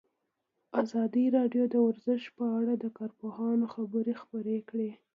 ازادي راډیو د ورزش په اړه د کارپوهانو خبرې خپرې کړي.